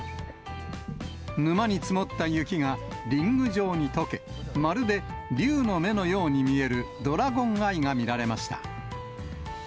沼に積もった雪が、リング状にとけ、まるで龍の目のように見えるドラゴンアイが見られました。